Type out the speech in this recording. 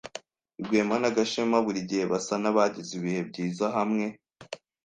Rwema na Gashema burigihe basa nabagize ibihe byiza hamwe.